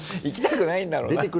行きたくないんだろうな。